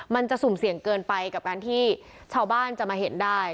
มันจะสุ่มเสี่ยงเกินไปกับการที่ชาวบ้านจะมาเห็นได้